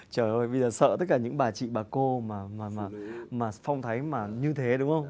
trời ơi bây giờ sợ tất cả những bà chị bà cô mà phong thái mà như thế đúng không